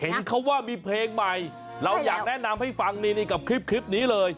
เห็นเขาว่ามีเพลงใหม่เราอยากแนะนำให้ฟังนี่กับคลิปนี้เลย